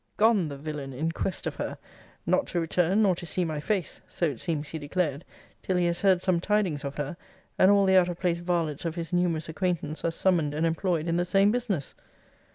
Gone, the villain! in quest of her: not to return, nor to see my face [so it seems he declared] till he has heard some tidings of her; and all the out of place varlets of his numerous acquaintance are summoned and employed in the same business.